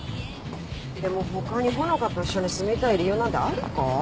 でも他に穂香と一緒に住みたい理由なんてあるか？